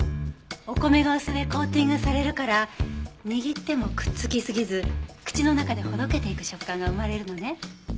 お米がお酢でコーティングされるから握ってもくっつきすぎず口の中でほどけていく食感が生まれるのね。